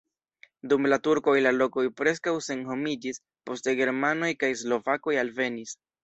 Dum la turkoj la lokoj preskaŭ senhomiĝis, poste germanoj kaj slovakoj alvenis.